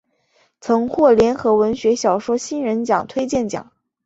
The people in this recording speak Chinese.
曾获联合文学小说新人奖推荐奖。